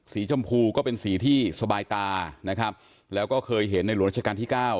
ชมพูก็เป็นสีที่สบายตานะครับแล้วก็เคยเห็นในหลวงราชการที่เก้า